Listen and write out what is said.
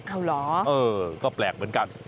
เอาเหรอเออก็แปลกเหมือนกัน